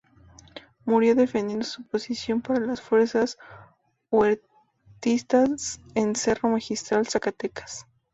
Murió defendiendo su posición para las fuerzas huertistas en Cerro Magistral, Zacatecas.